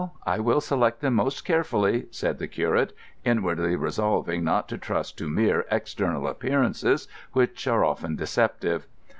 I will select them most carefully," said the curate, inwardly resolving not to trust to mere external appearances, which are often deceptive.